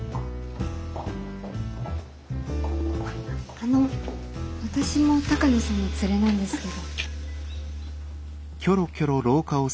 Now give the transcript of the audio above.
あの私も鷹野さんの連れなんですけど。